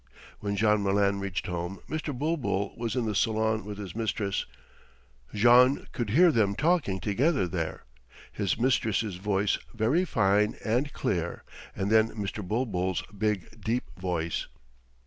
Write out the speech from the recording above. When Jean Malin reached home Mr. Bulbul was in the salon with his mistress; Jean could hear them talking together there; his mistress's voice very fine and clear and then Mr. Bulbul's big, deep voice.